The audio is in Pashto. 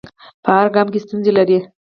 په هر ګام کې ستونزې لري.